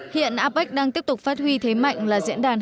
hiện apec đang tiếp tục phát huy thế mạnh là diễn đàn hợp tác